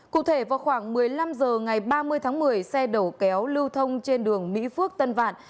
cụ thể vào khoảng một mươi năm h ngày ba mươi tháng một mươi xe đầu kéo lưu thông trên đường mỹ phước tân vạn